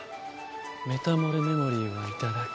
メタモルメモリーはいただく。